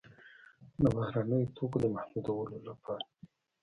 د بهرنیو توکو د محدودولو لپاره.